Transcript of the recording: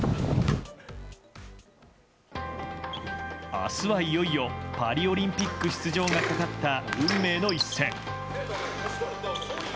明日はいよいよパリオリンピック出場がかかった運命の一戦。